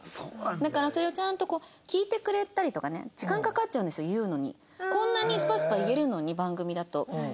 だからそれをちゃんとこう聞いてくれたりとかね時間かかっちゃうんですよ言うのに。